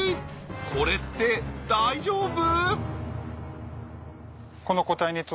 これって大丈夫？